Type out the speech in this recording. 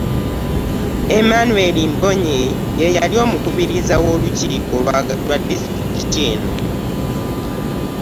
Emmanuel Mbonye, ye yali omukubiriza w'olukiiko lwa disitulikiti eno